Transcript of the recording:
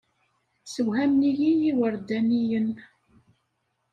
Ssewhamen-iyi yiwerdaniyen.